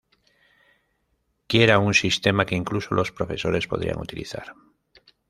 Quiera un sistema que "incluso los profesores podrían utilizar".